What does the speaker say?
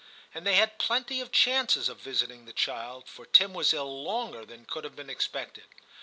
And they had plenty of chances of visiting the child, for Tim was ill longer than could have been expected.